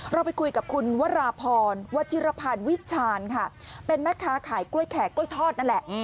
เราไปคุยกับคุณวราพรวัชิรพันธ์วิชาญค่ะเป็นแม่ค้าขายกล้วยแขกกล้วยทอดนั่นแหละ